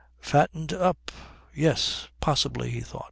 "Fattened up yes, possibly," he thought.